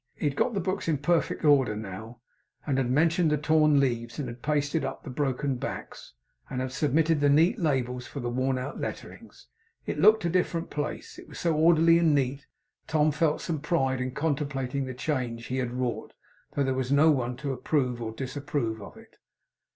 He had got the books into perfect order now, and had mended the torn leaves, and had pasted up the broken backs, and substituted neat labels for the worn out letterings. It looked a different place, it was so orderly and neat. Tom felt some pride in comtemplating the change he had wrought, though there was no one to approve or disapprove of it.